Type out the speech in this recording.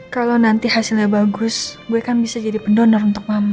kalau nanti hasilnya bagus gue kan bisa jadi pendonor untuk mama